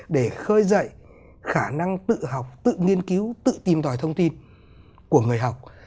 để khơi dậy khả năng tự học tự nghiên cứu tự tìm tòi thông tin của người học